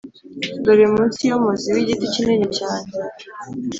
dore munsi yumuzi wigiti kinini cyane.